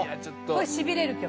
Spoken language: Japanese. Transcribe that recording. これしびれる曲。